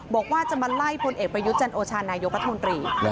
บอกว่าจะมาไล่พลเอกประยุทธ์จันโอชานายกรัฐมนตรี